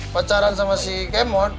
pacaran sama si kemot